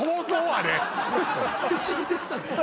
不思議でしたね。